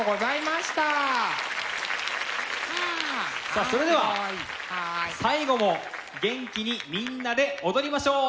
さあそれでは最後も元気にみんなで踊りましょう。